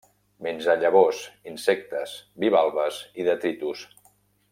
Menja llavors, insectes, bivalves i detritus.